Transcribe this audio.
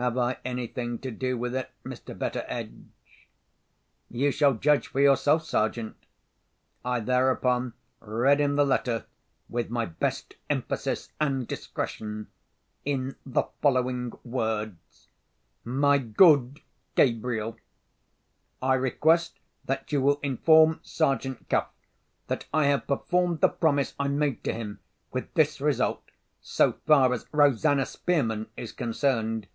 Have I anything to do with it, Mr. Betteredge?" "You shall judge for yourself, Sergeant." I thereupon read him the letter (with my best emphasis and discretion), in the following words: "MY GOOD GABRIEL,—I request that you will inform Sergeant Cuff, that I have performed the promise I made to him; with this result, so far as Rosanna Spearman is concerned.